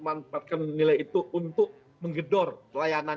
orang bisa memanfaatkan nilai itu untuk menggedor layanan bumn